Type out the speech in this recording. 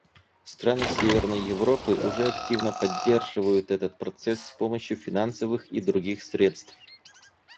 Страны Северной Европы уже активно поддерживают этот процесс с помощью финансовых и других средств.